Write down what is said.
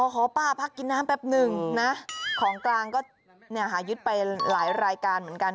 ขอป้าพักกินน้ำแป๊บหนึ่งนะของกลางก็หายึดไปหลายรายการเหมือนกัน